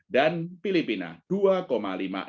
dan filipina dua lima puluh enam persen year to date